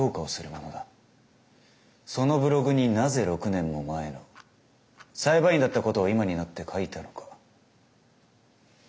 そのブログになぜ６年も前の裁判員だったことを今になって書いたのか？